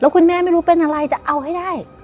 คุณแม่ไม่รู้เป็นอะไรจะเอาให้ได้